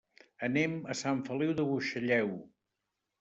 Anem a Sant Feliu de Buixalleu.